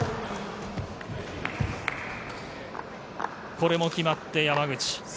これも決まって山口。